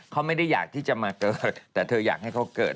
เขาไม่ได้อยากที่จะมาเกิดแต่เธออยากให้เขาเกิด